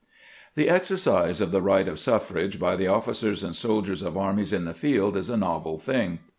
The exercise of the right of suffrage by the officers and sol diers of armies in the field is a novel thing.